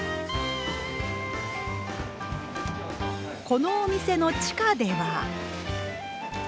このお店の地下では。